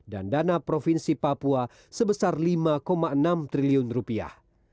dan dana provinsi papua sebesar lima enam triliun rupiah